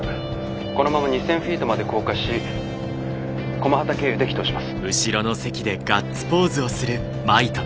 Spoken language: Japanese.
このまま２，０００フィートまで降下し駒畠経由で帰投します。